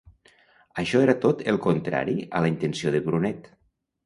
Això era tot el contrari a la intenció de Brunet.